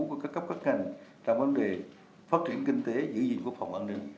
của các cấp các ngành trong vấn đề phát triển kinh tế giữ gìn quốc phòng an ninh